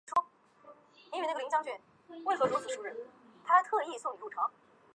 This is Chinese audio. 槟城锺灵国民型华文中学是马来西亚槟城州的一所国民型华文中学。